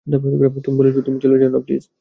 তুমি চলে যেও না, প্লিজ।